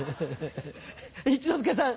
一之輔さん。